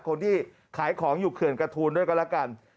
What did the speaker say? คนที่ขายของอยู่เขื่อนกระทูลด้วยก็แล้วกัน